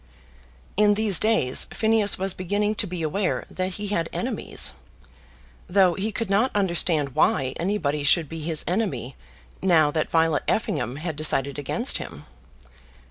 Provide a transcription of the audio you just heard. In these days Phineas was beginning to be aware that he had enemies, though he could not understand why anybody should be his enemy now that Violet Effingham had decided against him.